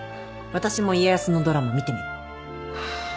私も家康のドラマ見てみる